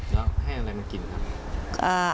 แล้วให้อะไรมากินครับ